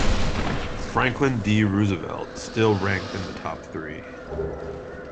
Franklin D. Roosevelt still ranked in the top three.